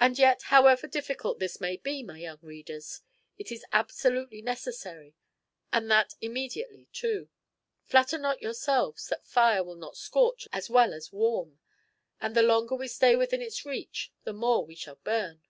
And yet, however difficult this may be, my young readers, it is absolutely necessary, and that immediately too: flatter not yourselves that fire will not scorch as well as warm, and the longer we stay within its reach the more we shall burn.